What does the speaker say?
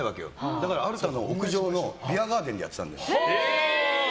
だからアルタの屋上のビアガーデンでやってたんだよ。